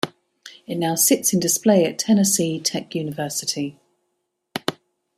It now sits in display at Tennessee Tech University.